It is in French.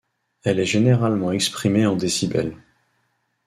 Elle est généralement exprimée en décibel.